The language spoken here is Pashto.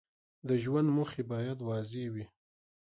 د ژوند موخې باید واضح وي.